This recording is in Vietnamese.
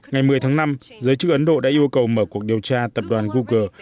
ngày một mươi tháng năm giới chức ấn độ đã yêu cầu mở cuộc điều tra tập đoàn google